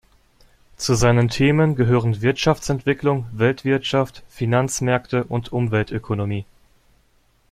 Zu seinen Themen gehören Wirtschaftsentwicklung, Weltwirtschaft, Finanzmärkte und Umweltökonomie.